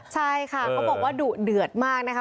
ใช่ค่ะเขาบอกว่าดุเดือดมากนะคะ